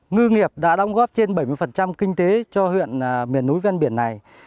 ngư nghiệp đã đóng góp trên bảy mươi kinh tế cho huyện miền núi ven biển này